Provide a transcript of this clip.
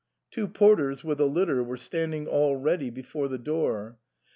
Two porters with a litter were standing all ready before the door.